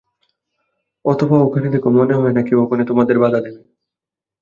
অথবা, ওখানে দেখো, মনে হয় না, কেউ ওখানে তোমাদের বাঁধা দেবে।